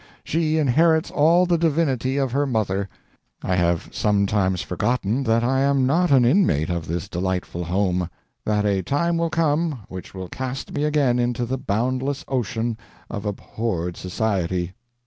She inherits all the divinity of her mother.... I have sometimes forgotten that I am not an inmate of this delightful home that a time will come which will cast me again into the boundless ocean of abhorred society.